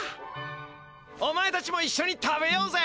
お前たちもいっしょに食べようぜ！